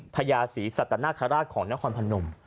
ไทยาศีสตรนครราชของเนี๊ยครพันนม